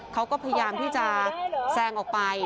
เขาก็พยายามที่จะแซงออกไป